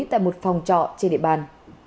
tại một phòng trọ trên địa bàn